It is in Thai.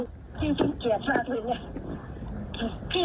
พี่ชื่อเกลียดมากเลยเนี่ย